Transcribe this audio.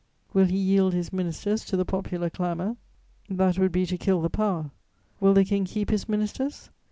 Will he yield his ministers to the popular clamour? That would be to kill the power. Will the King keep his ministers?